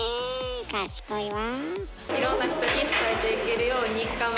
賢いわ。